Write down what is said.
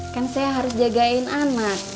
kan saya harus jagain anak